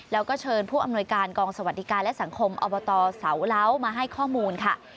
แล้วก็เชิญผู้อำนวยการกองสวัสดิการและสังคมอบตเสาเล้ามาให้ข้อมูลค่ะ